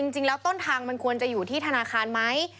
จริงแล้วต้นทางมันควรจะอยู่ที่ธนาคารไหม